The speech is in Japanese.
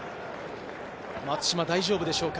松島、大丈夫でしょうか？